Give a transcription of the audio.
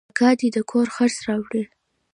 اکا دې د کور خرڅ راوړي.